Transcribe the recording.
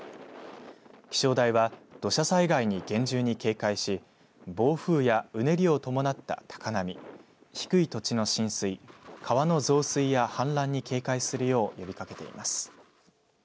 気象台は土砂災害に厳重に警戒し暴風やうねりを伴った高波、低い土地の浸水、川の増水や氾濫に警戒するよう呼びかけています。